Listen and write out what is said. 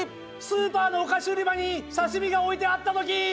スーパーのお菓子売り場に刺身が置いてあったときー。